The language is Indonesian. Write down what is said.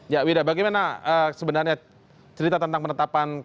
ya wida bagaimana sebenarnya cerita tentang penetapan status tersangka